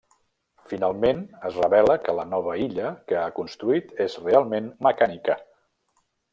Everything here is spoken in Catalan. Finalment es revela que la nova illa que ha construït és realment mecànica.